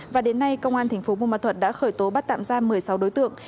và đến nay công an tp bù ma thuật đã khởi tố bắt tạm ra một mươi sáu đối tượng